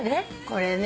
これね。